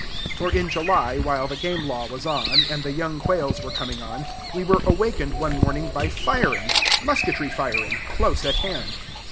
For in July, while the game law was on, and the young quails were coming on, we were awakened one morning by firing, musketry firing, close at hand.